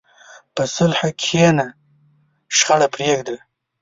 په صلح کښېنه، شخړه پرېږده.